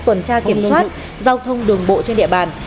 tuần tra kiểm soát giao thông đường bộ trên địa bàn